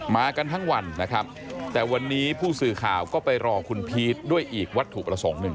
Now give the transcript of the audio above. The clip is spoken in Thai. มากันทั้งวันนะครับแต่วันนี้ผู้สื่อข่าวก็ไปรอคุณพีชด้วยอีกวัตถุประสงค์หนึ่ง